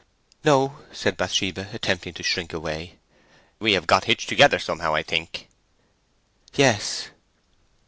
"No," said Bathsheba, attempting to shrink away. "We have got hitched together somehow, I think." "Yes."